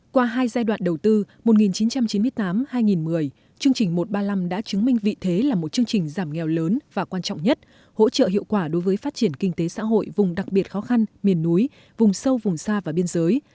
qua hai giai đoạn đầu tư một nghìn chín trăm chín mươi tám hai nghìn một mươi chương trình một trăm ba mươi năm đã chứng minh vị thế là một chương trình giảm nghèo lớn và quan trọng nhất hỗ trợ hiệu quả đối với phát triển kinh tế xã hội vùng đặc biệt khó khăn miền núi vùng sâu vùng xa và biên giới